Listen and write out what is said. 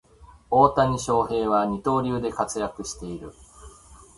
大谷翔平は二刀流で活躍している